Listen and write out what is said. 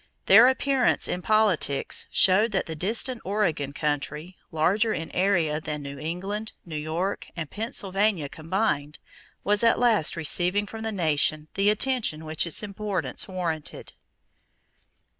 Their appearance in politics showed that the distant Oregon country, larger in area than New England, New York, and Pennsylvania combined, was at last receiving from the nation the attention which its importance warranted.